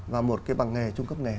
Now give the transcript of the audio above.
và một cái bằng nghề trung cấp nghề